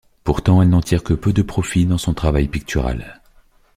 Pourtant elle n’en tire que peu de profit dans son travail pictural.